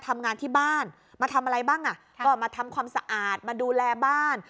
ทำงานที่บ้านมาทำอะไรบ้างอ่ะก็มาทำความสะอาดมาดูแลบ้าน